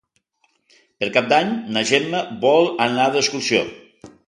Per Cap d'Any na Gemma vol anar d'excursió.